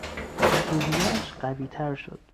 روحیهاش قویتر شد.